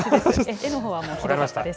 絵のほうはひどかったです。